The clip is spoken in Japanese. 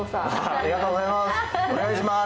ありがとうございます。